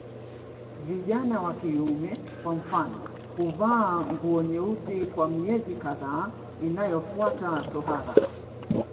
Vijana wa kiume kwa mfano huvaa nguo nyeusi kwa miezi kadhaa inayofuata tohara